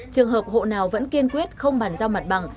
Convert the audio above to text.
trường hợp hộ nào vẫn kiên quyết không bàn giao mặt bằng